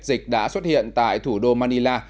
dịch đã xuất hiện tại thủ đô manila